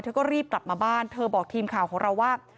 ก็รีบกลับมาบ้านเธอบอกทีมข่าวของเราว่า